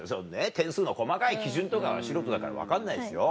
点数の細かい基準とかは素人だから分かんないですよ。